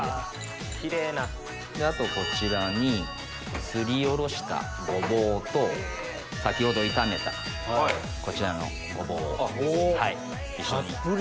あとこちらにすりおろしたごぼうと先ほど炒めたこちらのごぼうを一緒に。